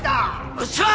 おっしゃー！